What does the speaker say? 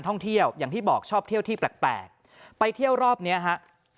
ท่องเที่ยวอย่างที่บอกชอบเที่ยวที่แปลกไปเที่ยวรอบเนี้ยฮะ